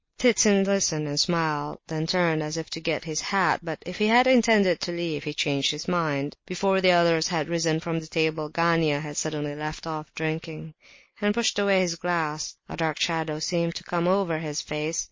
Ptitsin listened and smiled, then turned as if to get his hat; but if he had intended to leave, he changed his mind. Before the others had risen from the table, Gania had suddenly left off drinking, and pushed away his glass, a dark shadow seemed to come over his face.